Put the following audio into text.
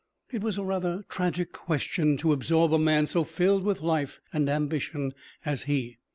It was a rather tragic question to absorb a man so filled with life and ambition as he.